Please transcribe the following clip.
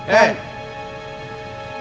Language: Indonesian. itu urusannya bang muhid